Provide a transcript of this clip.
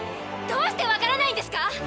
どうしてわからないんですか？